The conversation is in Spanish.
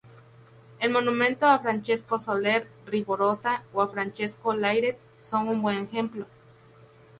El monumento a Francesc Soler Rovirosa o a Francesc Layret son un buen ejemplo.